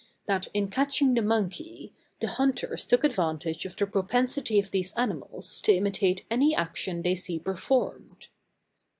that, in catching the monkey, the hunters took advantage of the propensity of these animals to imitate any action they see performed.